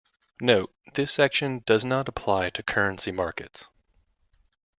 Note: this section does not apply to currency markets.